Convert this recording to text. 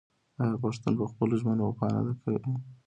آیا پښتون په خپلو ژمنو وفا نه کوي؟